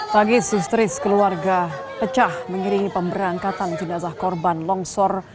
tangis histeris keluarga pecah mengiringi pemberangkatan jenazah korban longsor